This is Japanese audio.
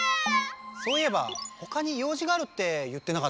そういえばほかに用じがあるって言ってなかった？